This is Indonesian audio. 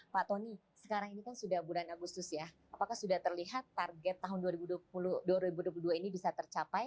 pak tony sekarang ini kan sudah bulan agustus ya apakah sudah terlihat target tahun dua ribu dua puluh dua ini bisa tercapai